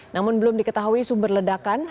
namun belum diketahui sumber ledakan